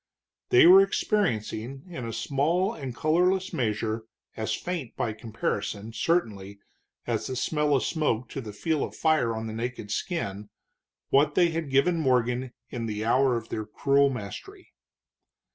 They were experiencing in a small and colorless measure, as faint by comparison, certainly, as the smell of smoke to the feel of fire on the naked skin, what they had given Morgan in the hour of their cruel mastery.